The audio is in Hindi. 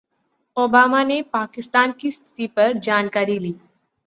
ओबामा ने पाकिस्तान की स्थिति पर जानकारी ली